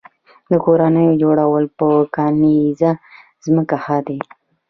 د کورونو جوړول په کرنیزه ځمکه ښه دي؟